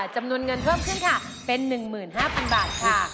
จำนวนเงินเพิ่มขึ้นค่ะเป็น๑๕๐๐๐บาทค่ะ